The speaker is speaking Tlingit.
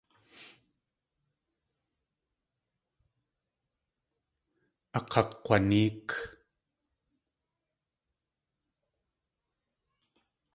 Akakg̲wanéek.